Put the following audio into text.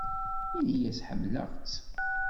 Ini-as ḥemmleɣ-tt.